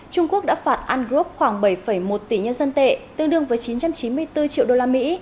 trung quốc đã phạt onrov khoảng bảy một tỷ nhân dân tệ tương đương với chín trăm chín mươi bốn triệu đô la mỹ